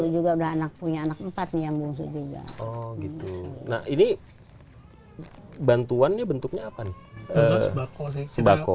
juga udah anak punya anak empat nih yang bungsu juga oh gitu nah ini bantuan ya bentuknya apa nih